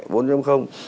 vốn là thời đại công nghệ